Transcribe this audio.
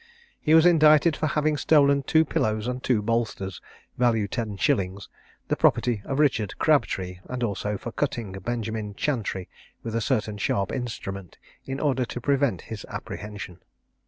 He was indicted for having stolen two pillows and two bolsters, value 10s., the property of Richard Crabtree, and also for cutting Benjamin Chantrey with a certain sharp instrument, in order to prevent his apprehension.